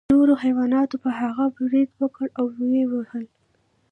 نورو حیواناتو په هغه برید وکړ او ویې واهه.